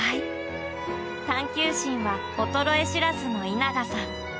探求心は衰え知らずの稲賀さん。